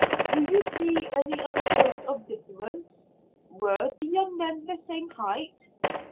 "Do you see any other points of difference? Were the young men the same height?"